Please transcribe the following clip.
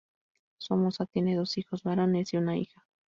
Somoza tiene dos hijos varones y una hija.